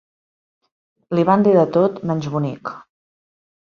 Li van dir de tot menys bonic.